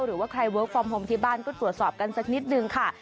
หรือว่าใครเวิร์คฟอร์มโฮมที่บ้านก็ตรวจสอบกันสักนิดนึงค่ะ